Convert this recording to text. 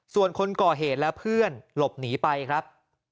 ส่วนคนก่อเหตุและเพื่อนหลบหนีไปครับ